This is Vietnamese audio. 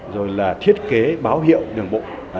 rồi là thiết kế báo hiệu đường bộ